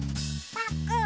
パックン！